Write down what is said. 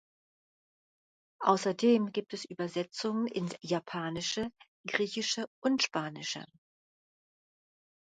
Außerdem gibt es Übersetzungen ins Japanische, Griechische und Spanische.